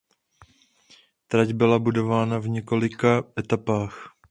Trať byla budována v několika etapách.